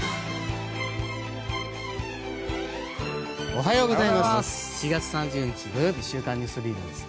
おはようございます。